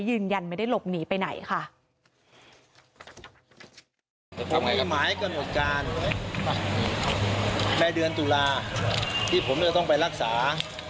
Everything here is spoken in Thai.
ยืนยันไม่ได้หลบหนีไปไหนค่ะ